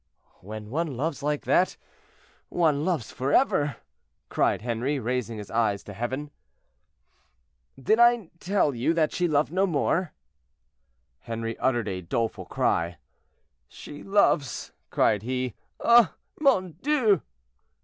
"When one loves like that, one loves forever," cried Henri, raising his eyes to heaven. "Did I tell you that she loved no more?" Henri uttered a doleful cry. "She loves!" cried he. "Ah! mon Dieu!"